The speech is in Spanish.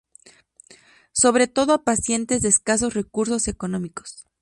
Sobre todo a pacientes de escasos recursos económicos.